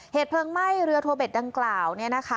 เหตุเพลิงไหม้เรือโทเบ็ดดังกล่าว